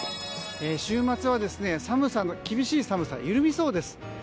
週末は厳しい寒さ緩みそうです。